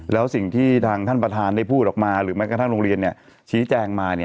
แล้วสิ่งที่ทางท่านประธานได้พูดออกมาหรือแม้กระทั่งโรงเรียนชี้แจงมา